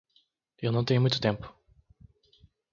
Eu não tenho muito tempo